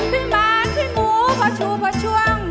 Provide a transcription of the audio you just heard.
พี่บานพี่หมูพอชู่พอชวง